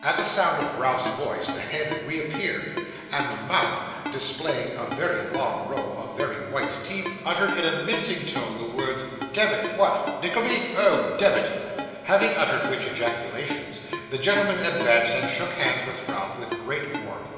At the sound of Ralph's voice, the head reappeared, and the mouth, displaying a very long row of very white teeth, uttered in a mincing tone the words, 'Demmit. What, Nickleby! oh, demmit!' Having uttered which ejaculations, the gentleman advanced, and shook hands with Ralph, with great warmth.